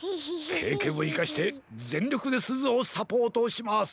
けいけんをいかしてぜんりょくですずをサポートします。